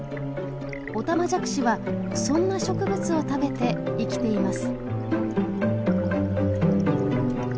オタマジャクシはそんな植物を食べて生きています。